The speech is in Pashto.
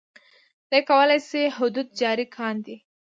دوی کولای شي حدود جاري کاندي.